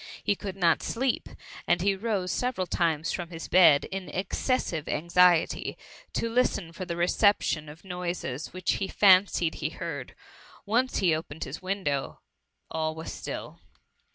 He could not sleep ; and he rose several times from his bed, in excessive anxiety, to listen for the repetition of noises which he fan cied he heard : once he opened his window all was still.